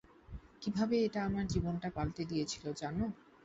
কীভাবে এটা আমার জীবনটা পাল্টে দিয়েছিল জানো?